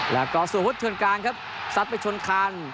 แล้วก็ส่วนพุทธเทือนกลางครับซัดไปชนคัน